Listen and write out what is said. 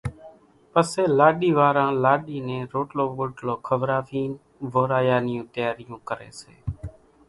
پسيَ لاڏِي واران لاڏِي نين روٽلو ٻوٽلو کوراوينَ وورايا نِيوُن تيارِيون ڪريَ سي۔